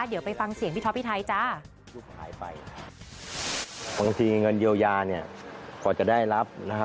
เดี๋ยวไปฟังเสียงพี่ท้อพี่ไทยจ้า